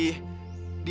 nyi arum tinggal di